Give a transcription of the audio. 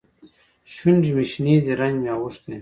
شونډې مې شنې دي؛ رنګ مې اوښتی.